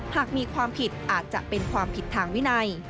หากมีความผิดอาจจะเป็นความผิดทางวินัย